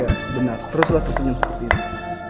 iya benar teruslah tersenyum seperti ini